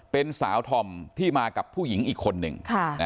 เป็นสาวธอมที่มากับผู้หญิงอีกคนหนึ่ง